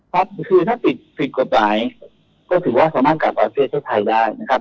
ครับคือถ้าผิดผิดกฎหมายก็ถือว่าสามารถกลับประเทศไทยได้นะครับ